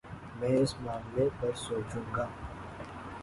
میں اس معاملے پر سوچوں گا